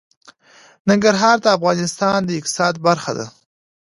ننګرهار د افغانستان د اقتصاد برخه ده.